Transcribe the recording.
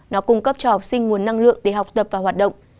nó cung cấp cho học sinh nguồn năng lượng để học tập và hoạt động